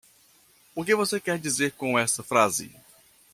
O que você quer dizer com essa frase?